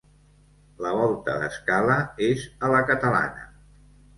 La volta d'escala és a la catalana.